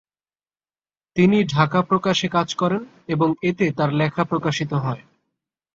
তিনি ঢাকা প্রকাশে কাজ করেন এবং এতে তার লেখা প্রকাশিত হয়।